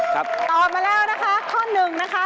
ตอบมาแล้วนะคะข้อหนึ่งนะคะ